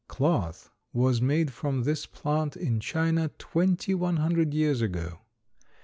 Cloth was made from this plant in China twenty one hundred years ago.